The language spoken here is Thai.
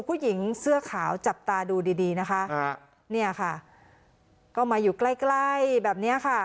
ผู้หญิงเสื้อขาวจับตาดูดีดีนะคะเนี่ยค่ะก็มาอยู่ใกล้ใกล้แบบเนี้ยค่ะ